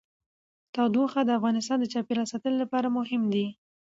تودوخه د افغانستان د چاپیریال ساتنې لپاره مهم دي.